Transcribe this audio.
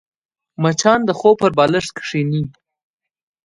مچان د خوب پر بالښت کښېني